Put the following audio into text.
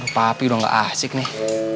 aduh papi udah nggak asik nih